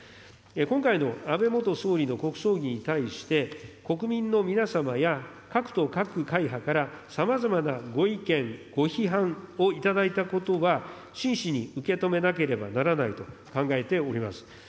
今回の安倍元総理の国葬儀に対して、国民の皆様や各党各会派からさまざまなご意見、ご批判を頂いたことは真摯に受け止めなければならないと考えております。